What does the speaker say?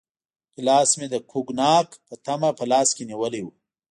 ګیلاس مې د کوګناک په تمه په لاس کې نیولی و.